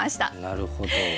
なるほど。